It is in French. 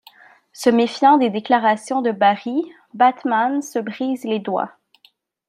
Se méfiant des déclarations de Barry, Batman se brise les doigts.